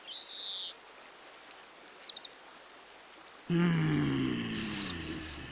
うん。